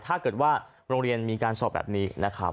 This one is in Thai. ถ้าเกิดว่าโรงเรียนมีการสอบแบบนี้นะครับ